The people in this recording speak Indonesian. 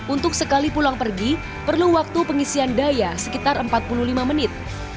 untuk sekali pulang pergi perlu waktu pengisian bus listrik